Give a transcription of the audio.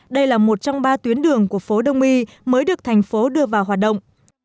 đây là một trong ba tuyến đường của phố đông y mới được thành phố đưa vào hoạt động